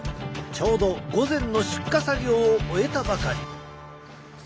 ちょうど午前の出荷作業を終えたばかり。